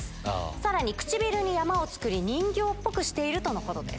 さらに、唇に山を作り、人形っぽくしているとのことです。